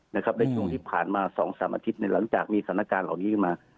ในช่วงที่ผ่านมา๒๓อาทิตย์หลังจากมีสถานการณ์เหล่านี้ขึ้นมา